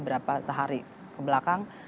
berapa sehari ke belakang